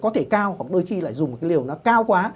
có thể cao hoặc đôi khi lại dùng một cái liều nó cao quá